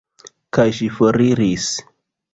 Kaj ŝi foriris.